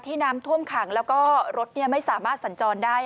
น้ำท่วมขังแล้วก็รถไม่สามารถสัญจรได้